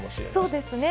そうですね。